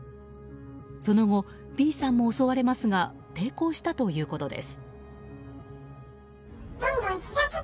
その後、Ｂさんも襲われますが抵抗したということです。